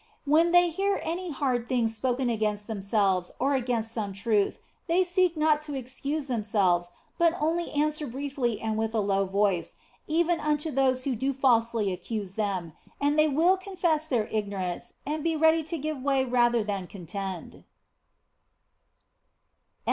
When they hear any hard thing spoken against themselves or against some truth, they seek not to excuse themselves but only answer briefly and with a low voice, even unto those who do falsely accuse them, and they will confess their ignorance and be ready to give way rather than contend.